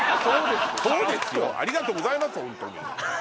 そうですよありがとうございますホントに。